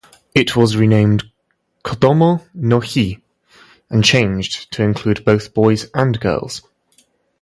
It was renamed "Kodomo no Hi" and changed to include both boys and girls.